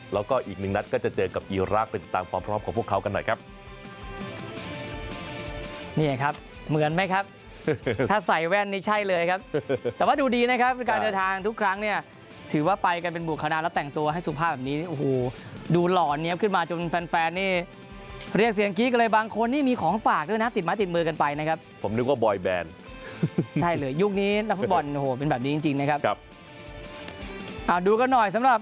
และจะเจอกับอิราคติดตามความพร้อมของพวกเขากันหน่อยครับ